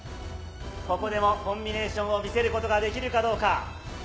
ここでもコンビネーションを見せることができるかどうか。